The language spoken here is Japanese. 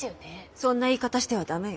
そんな言い方してはダメよ。